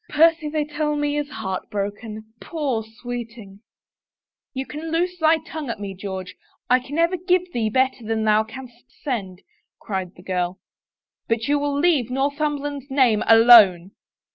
Percy, they tell me, is heart broken — poor sweeting !"" You can loose thy tongue at me, George — I can ever give thee better than thou canst send," cried the girl, " but you will leave Northumberland's name alone."